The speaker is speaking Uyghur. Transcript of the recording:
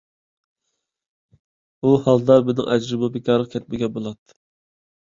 ئۇ ھالدا مېنىڭ ئەجرىممۇ بىكارغا كەتمىگەن بولاتتى.